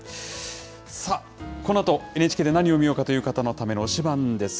さあ、このあと、ＮＨＫで何を見ようかという方のための推しバン！です。